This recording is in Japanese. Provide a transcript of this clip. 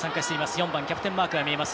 ４番キャプテンマークが見えます。